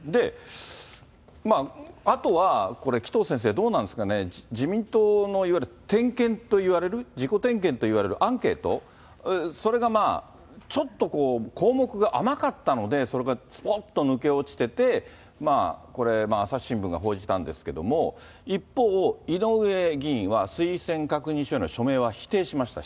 あとは、これ、紀藤先生、どうなんですかね、自民党のいわゆる点検といわれる、自己点検といわれるアンケート、それがちょっと項目が甘かったので、それがすぽっと抜け落ちてて、これ、朝日新聞が報じたんだけれども、一方、井上議員は、推薦確認書への署名は否定しました。